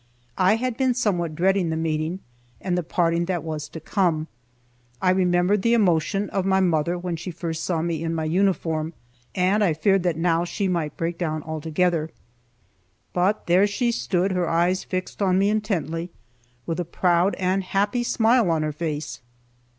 I had been somewhat dreading the meeting, and the parting that was to come. I remembered the emotion of my mother when she first saw me in my uniform, and I feared that now she might break down altogether. But there she stood, her eyes fixed on me intently, with a proud and happy smile on her face!